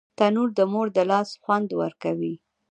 تنور د مور د لاس خوند ورکوي